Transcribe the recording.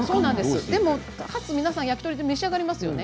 でもハツは皆さん焼き鳥で召し上がりますよね。